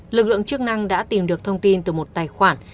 lực lượng chức năng đã tìm được thông tin từ một tài khoản